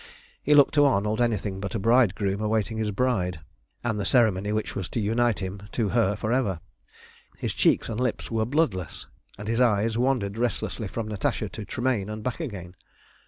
He looked to Arnold anything but a bridegroom awaiting his bride, and the ceremony which was to unite him to her for ever. His cheeks and lips were bloodless, and his eyes wandered restlessly from Natasha to Tremayne and back again.